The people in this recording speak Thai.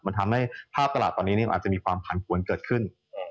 มันทำให้ภาพตลาดตอนนี้มันอาจจะมีความผันผวนเกิดขึ้น